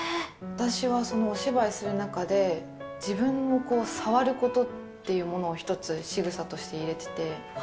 私はお芝居する中で、自分を触ることっていうものを一つ、しぐさとして入れてて。